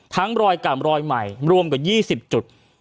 ทั้งรอยกลับรอยใหม่รวมกับ๒๐จุด